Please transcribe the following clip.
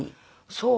そう。